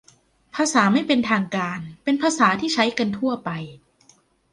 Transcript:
ภาษาไม่เป็นทางการเป็นภาษาที่ใช้กันทั่วไป